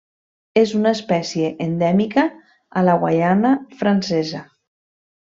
És una espècie endèmica a la Guaiana Francesa.